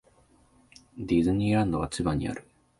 ディズニーランドは千葉にある。